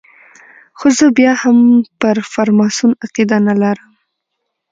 خو زه بیا هم پر فرماسون عقیده نه لرم.